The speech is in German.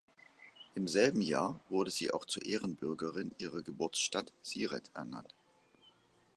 Im selben Jahr wurde sie auch zur Ehrenbürgerin ihrer Geburtsstadt Siret ernannt.